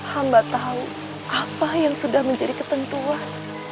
hamba tahu apa yang sudah menjadi ketentuan